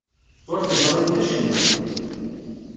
Ur teẓrimt acemma.